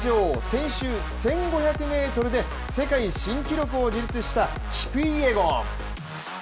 先週１５００ｍで世界新記録を樹立したキプイエゴン。